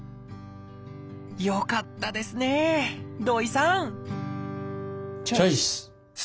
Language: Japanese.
よかったですね土井さんチョイス！